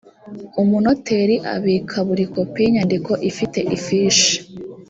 umunoteri abika buri kopi y inyandiko ifite ifishi